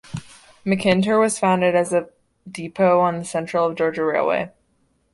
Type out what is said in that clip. McIntyre was founded as a depot on the Central of Georgia Railway.